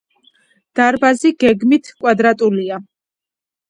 დარბაზი გეგმით კვადრატულია.